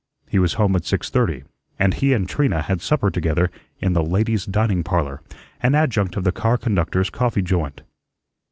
He was home at six thirty, and he and Trina had supper together in the "ladies' dining parlor," an adjunct of the car conductors' coffee joint.